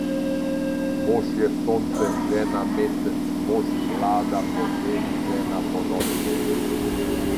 Mož je Sonce, žena Mesec, mož vlada podnevi, žena ponoči.